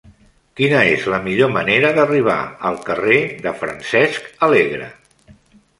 Quina és la millor manera d'arribar al carrer de Francesc Alegre?